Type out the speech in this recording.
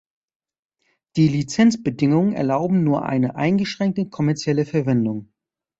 Die Lizenzbedingungen erlauben nur eine eingeschränkte kommerzielle Verwendung.